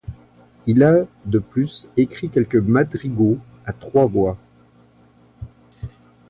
Il a de plus écrit quelques madrigaux à trois voix.